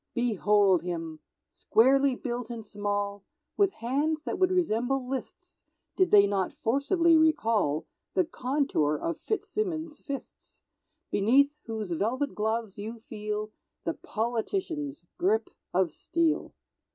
Behold him! Squarely built and small; With hands that would resemble Liszt's, Did they not forcibly recall The contour of Fitzsimmons' fists; Beneath whose velvet gloves you feel The politician's grip of steel.